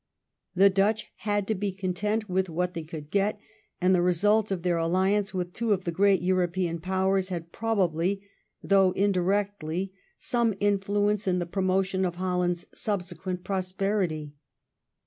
The Dutch had to be content with what they could get, and the result of their aUiance with two of the great European Powers had probably, although indirectly, some influence in the promotion of Holland's subsequent prosperity.